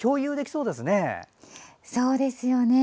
そうですよね。